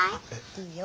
いいよ。